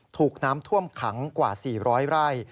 ถูกน้ำท่วมขังกว่า๔๐๐ไร่